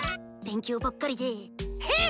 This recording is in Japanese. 勉強ばっかりで変！